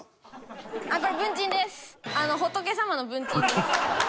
仏様の文鎮です。